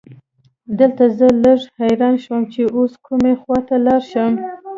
دلته زه لږ حیران شوم چې اوس کومې خواته لاړ شم.